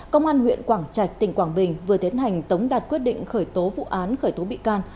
công an huyện quảng trạch tỉnh quảng bình vừa tiến hành tống đạt quyết định khởi tố vụ án khởi tố bị can